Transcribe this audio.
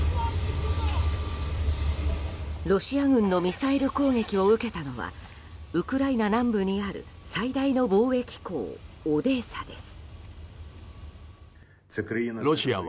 ロシア軍のミサイル攻撃を受けたのはウクライナ南部にある最大の貿易港オデーサです。